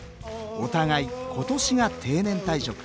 お互い今年が定年退職。